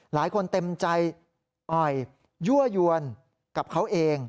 เต็มใจอ่อยยั่วยวนกับเขาเอง